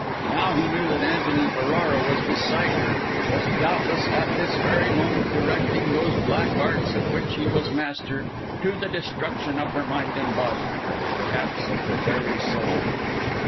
Now he knew that Antony Ferrara was beside her, was, doubtless at this very moment, directing those Black Arts of which he was master, to the destruction of her mind and body perhaps of her very soul.